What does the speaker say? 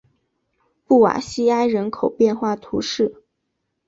布瓦西埃人口变化图示